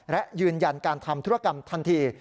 และยืนยันการทำธุรกรรมทันที